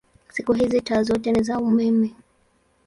Siku hizi taa zote ni za umeme.